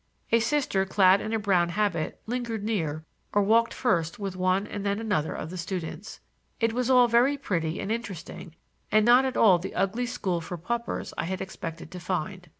A Sister clad in a brown habit lingered near or walked first with one and then another of the students. It was all very pretty and interesting and not at all the ugly school for paupers I had expected to find.